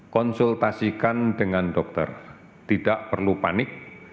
konsultasikan dengan dokter tidak perlu panik